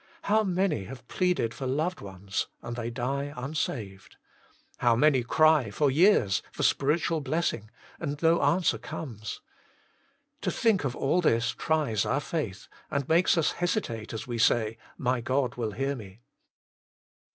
How many have pleaded for loved ones, and they die unsaved. How many cry for years for spiritual blessing, and no answer comes. To think of all this tries our faith, and makes us hesitate as we say, " My God will hear me."